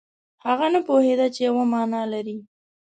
هغه نه پوهېده چې یوه معنا لري.